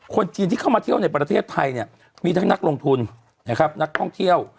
คนจีนที่เข้ามาเที่ยวในประเทศไทยเนี่ยมีทั้งนักลงทุนนะครับนักท่องเที่ยว